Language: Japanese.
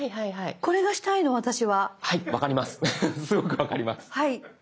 すごく分かります。